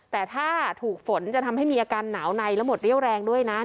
แต่ถ้าถูกฝนจะทำให้มีอาการหนาวในและหมดเรี่ยวแรงด้วยนะ